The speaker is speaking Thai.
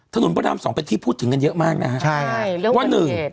พระรามสองเป็นที่พูดถึงกันเยอะมากนะฮะใช่เรื่องว่าหนึ่ง